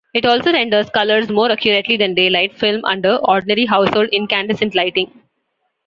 It also renders colors more accurately than daylight film under ordinary household incandescent lighting.